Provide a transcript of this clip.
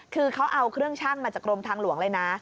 คือเขาเอาเครื่องชั่งมาจากกรมทางหลวงเลยนะ